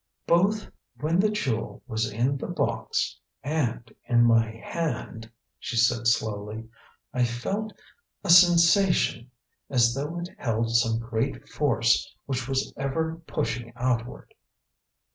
"Both when the jewel was in the box and in my hand," she said slowly, "I felt a sensation as though it held some great force which was ever pushing outward."